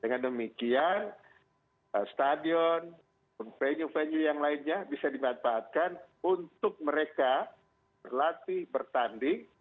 dengan demikian stadion venue venue yang lainnya bisa dimanfaatkan untuk mereka berlatih bertanding